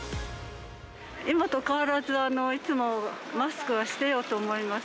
今と変わらずいつもマスクはしていようと思います。